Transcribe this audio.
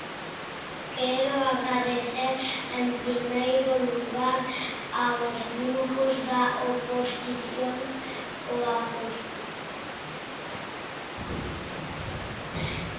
Quero agradecer, en primeiro lugar, aos grupos da oposición o apoio.